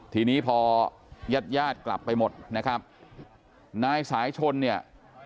ทีนี้พอญาติญาติกลับไปหมดนะครับนายสายชนเนี่ย